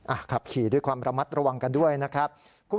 อ่าขับถึงความระมัดระวังได้ด้วยครับ